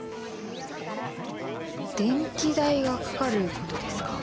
電気代がかかることですか？